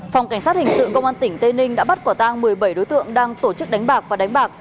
phòng cảnh sát hình sự công an tỉnh tây ninh đã bắt quả tang một mươi bảy đối tượng đang tổ chức đánh bạc và đánh bạc